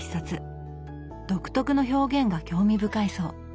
独特の表現が興味深いそう。